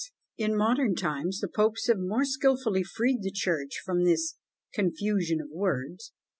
In modern times the popes have more skilfully freed the church from this "confusion of words."